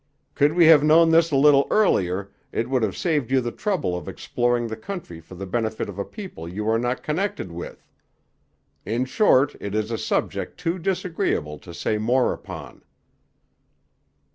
Could we have known this a little earlier it would have saved you the trouble of exploring the country for the benefit of a people you are not connected with. In short it is a subject too disagreeable to say more upon.'